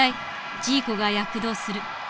ジーコが躍動する。